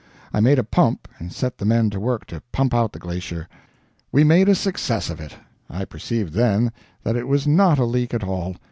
I made a pump and set the men to work to pump out the glacier. We made a success of it. I perceived, then, that it was not a leak at all.